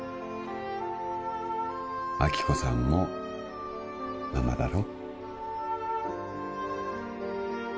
亜希子さんもママだろ？